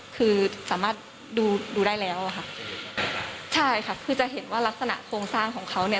คือจะเห็นว่ารักษณะโครงสร้างของเขาเนี่ย